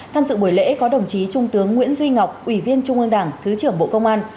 tham dự buổi lễ có đồng chí trung tướng nguyễn duy ngọc ủy viên trung ương đảng thứ trưởng bộ công an